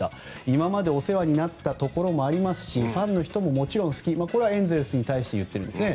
今までお世話になったところもありますしファンの人ももちろん好きこれはエンゼルスに対して言っているんですね。